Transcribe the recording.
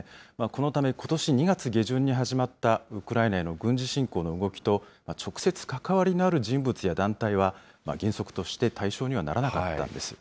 このため、ことし２月下旬に始まったウクライナへの軍事侵攻の動きと直接関わりのある人物や団体は、原則として対象にはならなかったんです。